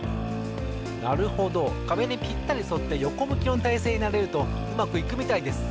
なるほどかべにぴったりそってよこむきのたいせいになれるとうまくいくみたいです。